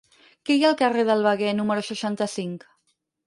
Què hi ha al carrer del Veguer número seixanta-cinc?